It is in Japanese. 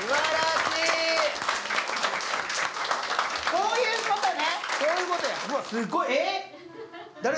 こういうことね。